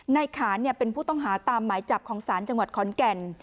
ในขานเป็นผู้ต้องหาตามหมายจับของศาลจังหวัดขอนแก่น